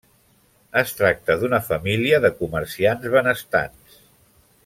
Es tracta d'una família de comerciants benestants.